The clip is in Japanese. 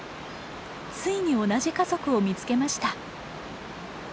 ついに同じ家族を見つけました。